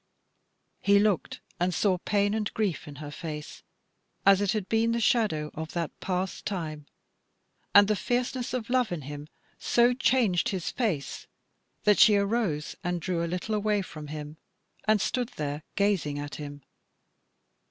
He looked and saw pain and grief in her face, as it had been the shadow of that past time, and the fierceness of love in him so changed his face, that she arose and drew a little way from him, and stood there gazing at him.